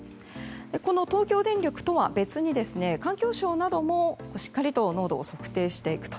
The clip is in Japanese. この東京電力とは別に環境省なども、しっかりと濃度を測定していくと。